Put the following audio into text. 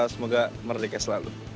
semoga merdeka selalu